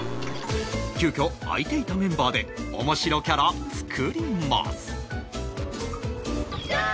急きょ空いていたメンバーで面白キャラ作ります